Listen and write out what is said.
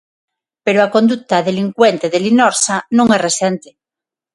Pero a conduta delincuente de Linorsa non é recente.